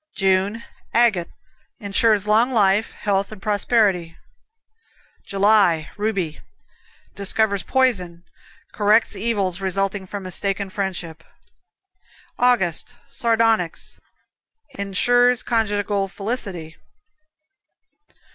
June, Agate Insures long life, health and prosperity. July, Ruby Discovers poison; corrects evils resulting from mistaken friendship. August, Sardonyx Insures conjugal felicity.